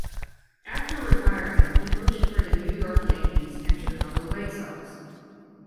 After retiring, he coached for the New York Yankees and Chicago White Sox.